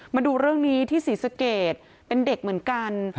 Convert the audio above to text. มาดูเรื่องนี้ที่ศรีสเกตเป็นเด็กเหมือนกัน